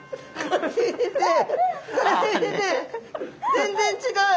全然違う。